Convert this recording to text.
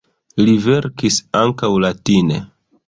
Li verkis ankaŭ latine.